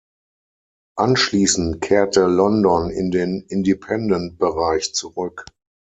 Anschließend kehrte London in den Independent-Bereich zurück.